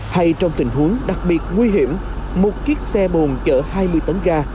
hay trong tình huống đặc biệt nguy hiểm một chiếc xe bồn chở hai mươi tấn ga